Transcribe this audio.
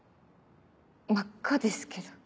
真っ赤ですけど。